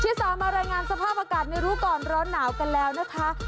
สามมารายงานสภาพอากาศในรู้ก่อนร้อนหนาวกันแล้วนะคะ